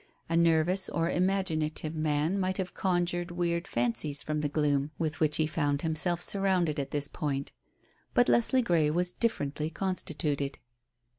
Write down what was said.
A nervous or imaginative man might have conjured weird fancies from the gloom with which he found himself surrounded at this point. But Leslie Grey was differently constituted.